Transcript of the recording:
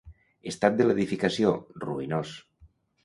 Estat de l'edificació: ruïnós.